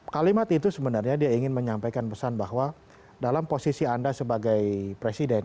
kalimat itu sebenarnya dia ingin menyampaikan pesan bahwa dalam posisi anda sebagai presiden